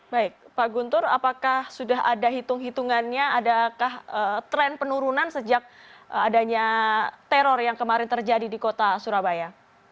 baik pak guntur apakah sudah ada hitung hitungannya adakah tren penurunan sejak adanya teror yang kemarin terjadi di kota surabaya